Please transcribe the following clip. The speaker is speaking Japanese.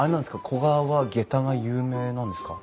古河はげたが有名なんですか？